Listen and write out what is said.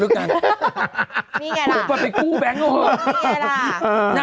นี่ไงล่ะโหไปกู้แบงก์เอาเถอะนี่ไงล่ะ